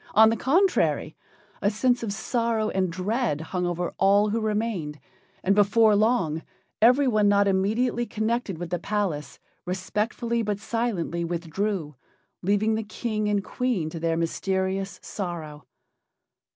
On the contrary, a sense of sorrow and dread hung over all who remained, and before long everyone not immediately connected with the palace respectfully but silently withdrew, leaving the King and Queen to their mysterious sorrow.